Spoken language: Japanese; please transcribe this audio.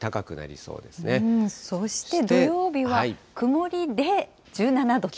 そして土曜日は曇りで１７度と。